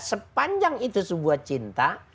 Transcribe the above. sepanjang itu sebuah cinta